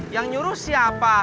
yang nyuruh siapa